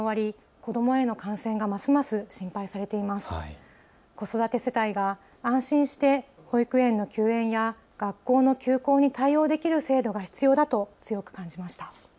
子育て世帯が安心して保育園の休園や学校の休校に対応できる制度が必要だと強く感じました。